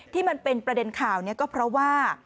ที่มันเป็นประเด็นข่าวนี้ก็เพราะว่า